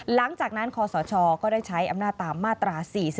หลังจากนั้นคศก็ได้ใช้อำนาจตามมาตรา๔๔